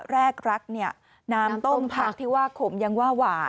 แรกรักเนี่ยน้ำต้มผักที่ว่าขมยังว่าหวาน